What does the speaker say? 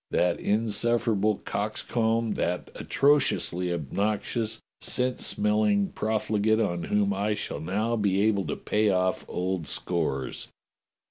That insufferable cox comb, that atrociously obnoxious scent smelling prof ligate on whom I shall now be able to pay off old scores."